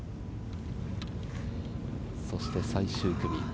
そして最終組